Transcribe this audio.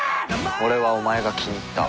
「俺はお前が気に入った」